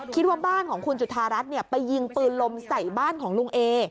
คิดว่าบ้านของคุณจุธารัฐไปยิงปืนลมใส่บ้านของลุงเอ